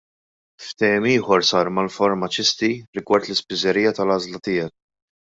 Ftehim ieħor sar mal-farmaċisti rigward l-Ispiżerija tal-Għażla Tiegħek.